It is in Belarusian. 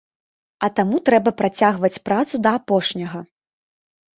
А таму трэба працягваць працу да апошняга.